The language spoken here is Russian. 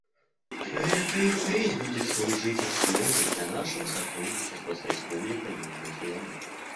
Все это и впредь будет служить основой для нашего сотрудничества с Республикой Южный Судан.